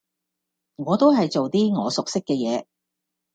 我都係做啲我熟悉嘅嘢